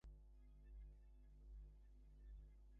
বাহ্য অনুষ্ঠানাদি থাকিবে, সেগুলি শুধু কালের প্রয়োজনে পরিবর্তিত হইবে।